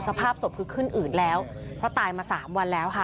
สภาพศพคือขึ้นอืดแล้วเพราะตายมาสามวันแล้วค่ะ